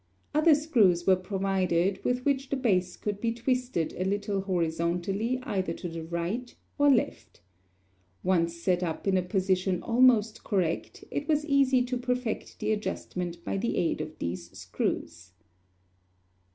Other screws were provided with which the base could be twisted a little horizontally either to the right or left. Once set up in a position almost correct, it was easy to perfect the adjustment by the aid of these screws.